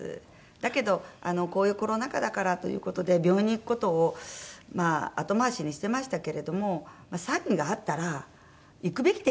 だけどこういうコロナ禍だからという事で病院に行く事を後回しにしてましたけれどもサインがあったら行くべきでしたね。